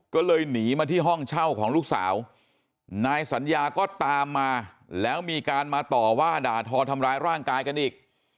ก็เลยหนีมาที่ห้องเช่าของลูกสาวนายสัญญาก็ตามมาแล้วมีการมาต่อว่าด่าทอทำร้ายร่างกายกันอีก